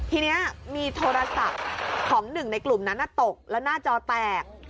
ทีนี้มีโทรศัพท์ของหนึ่งในกลุ่มนั้นตกแล้วหน้าจอแตก